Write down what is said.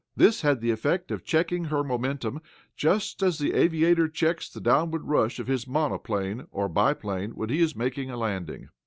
This had the effect of checking her momentum, just as the aviator checks the downward rush of his monoplane or biplane when he is making a landing.